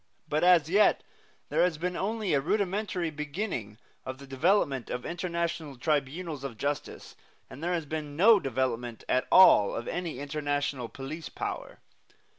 But as yet there has been only a rudimentary beginning of the development of international tribunals of justice, and there has been no development at all of any international police power.